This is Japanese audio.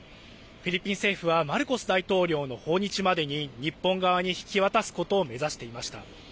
フィリピン政府はマルコス大統領の訪日までに日本側に引き渡すことを目指していました。